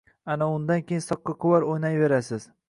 Ana undan keyin «soqqa quvar» o‘ynayverasiz.